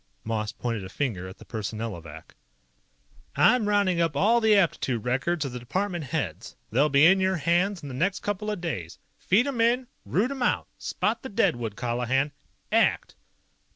Moss pointed a finger at the Personnelovac. "I'm rounding up all the aptitude records of the department heads. They'll be in your hands in the next couple of days. Feed 'em in! Root 'em out! Spot the deadwood, Colihan! ACT!"